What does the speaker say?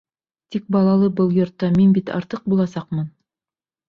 — Тик балалы был йортта мин бит артыҡ буласаҡмын.